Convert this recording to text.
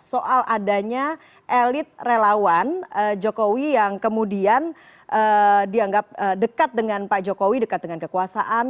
soal adanya elit relawan jokowi yang kemudian dianggap dekat dengan pak jokowi dekat dengan kekuasaan